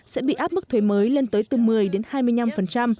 sẽ bị áp mức thuế mới lên tới từ một mươi đến hai mươi năm